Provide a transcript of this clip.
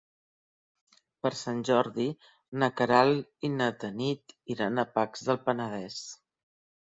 Per Sant Jordi na Queralt i na Tanit iran a Pacs del Penedès.